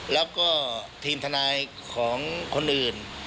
แล้วก็ทีมทนายของคนอื่น